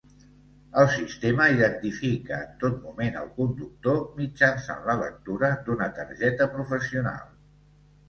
El sistema identifica en tot moment el conductor mitjançant la lectura d'una targeta professional.